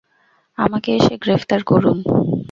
আমাকে এসে গ্রেফতার করুন।